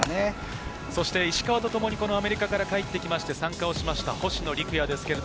石川とともにアメリカから帰ってきて参加をしました星野陸也です。